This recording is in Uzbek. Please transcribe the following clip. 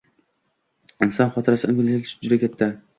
Inson xotirasi imkoniyatlari juda katta.